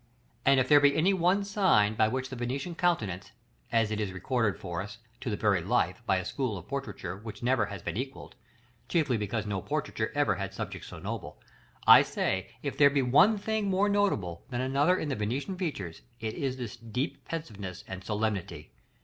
And if there be any one sign by which the Venetian countenance, as it is recorded for us, to the very life, by a school of portraiture which has never been equalled (chiefly because no portraiture ever had subjects so noble), I say, if there be one thing more notable than another in the Venetian features, it is this deep pensiveness and solemnity.